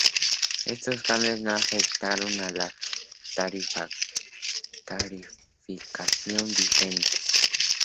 Estos cambios no afectaron a la tarificación vigente.